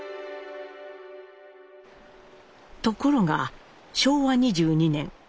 ところが昭和２２年。